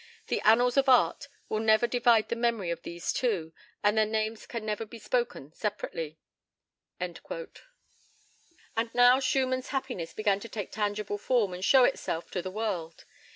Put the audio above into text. The annals of art will never divide the memory of these two, and their names can never be spoken separately." And now Schumann's happiness began to take tangible form and show itself to the world.